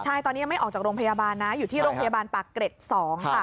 ใช่ตอนนี้ยังไม่ออกจากโรงพยาบาลนะอยู่ที่โรงพยาบาลปากเกร็ด๒ค่ะ